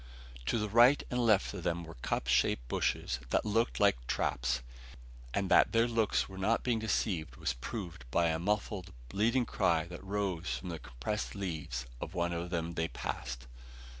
To the right and left of them were cup shaped bushes that looked like traps; and that their looks were not deceiving was proved by a muffled, bleating cry that rose from the compressed leaves of one of them they passed.